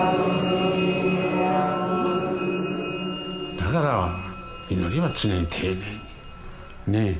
だから祈りは常に丁寧にね。